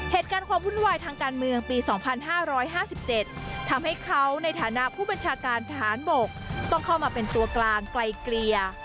เหตุการณ์ความวุ่นวายทางการเมืองปี๒๕๕๗ทำให้เขาในฐานะผู้บัญชาการทหารบกต้องเข้ามาเป็นตัวกลางไกลเกลี่ย